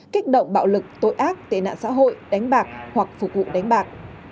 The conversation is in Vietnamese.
kích động bạo lực tội ác tệ nạn xã hội đánh bạc hoặc phục vụ đánh bạc